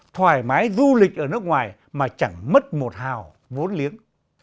thoải mái du lịch ở nước ngoài mà chẳng mất một hào vốn liếng